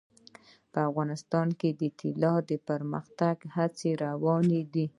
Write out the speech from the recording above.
افغانستان کې د طلا د پرمختګ هڅې روانې دي.